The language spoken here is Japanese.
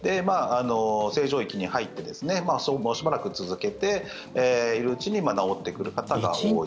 正常域に入ってその後もしばらく続けているうちに治ってくる方が多い。